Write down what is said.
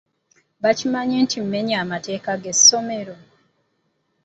Mba nkimanyi nti mmenye amateeka g’essomero.